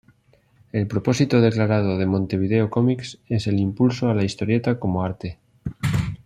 El propósito declarado de Montevideo Comics es el impulso a la historieta como arte.